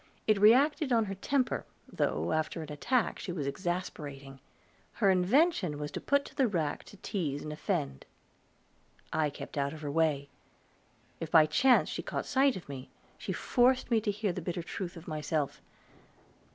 It reacted on her temper, though, for after an attack she was exasperating. Her invention was put to the rack to tease and offend. I kept out of her way; if by chance she caught sight of me, she forced me to hear the bitter truth of myself.